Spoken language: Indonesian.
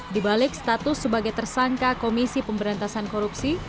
dibalik status sebagai tersangka komisi pemberantasan korupsi